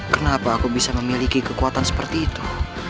kenapa aku bisa memiliki kekuatan seperti itu